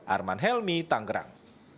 arman helmi tanggerang